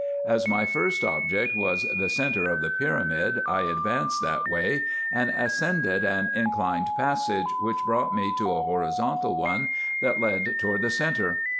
As my first object was the centre of the pyramid, I advanced that way, and ascended an inclined passage, which brought me to a horizontal one, that led toward the centre.